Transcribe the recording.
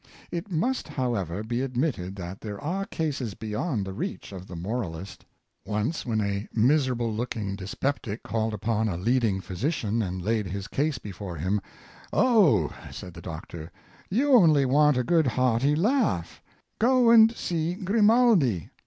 It must, however, be admitted that there are cases beyond the reach of the moralist. Once, when a mise rable looking dyspeptic called upon a leading physician. 522 Cheerfulness and Hope. and laid his case before him, " Oh," said the doctor, " you only want a good hearty laugh; go and see Gri maldi!"